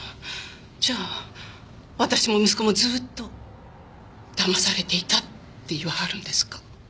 じゃあ私も息子もずっとだまされていたって言わはるんですか？